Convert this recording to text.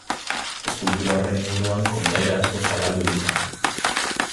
Eskultura horren inguruan kondaira asko zabaldu dira.